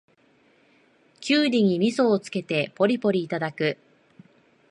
キュウリにみそをつけてポリポリいただく